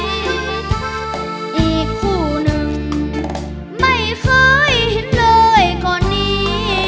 อีกคู่หนึ่งไม่เคยเห็นเลยก่อนนี้